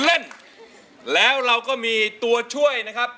เล่นแล้วเราก็มีตัวช่วยนะครับ